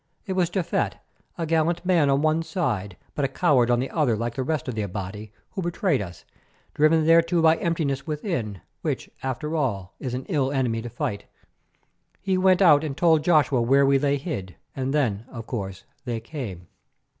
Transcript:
It was Japhet, a gallant man on one side, but a coward on the other like the rest of the Abati, who betrayed us, driven thereto by emptiness within, which, after all, is an ill enemy to fight. He went out and told Joshua where we lay hid, and then, of course, they came.